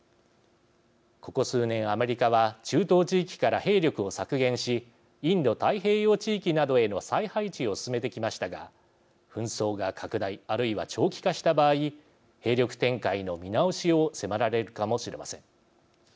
ここ数年、アメリカは中東地域から兵力を削減しインド太平洋地域などへの再配置を進めてきましたが紛争が拡大あるいは長期化した場合兵力展開の見直しを迫られるかもしれません。